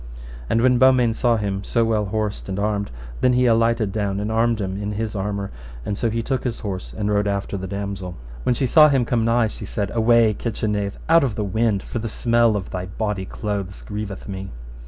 And when Beaumains saw him so well horsed and armed, then he alighted down and armed him in his armour, and so took his horse and rode after the damosel. When she saw him come nigh, she said, Away, kitchen knave, out of the wind, for the smell of thy bawdy clothes grieveth me.